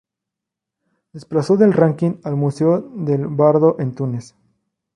Desplazó en el ranking al Museo del Bardo, en Túnez.